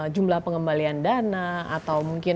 jumlah pengembalian dana atau mungkin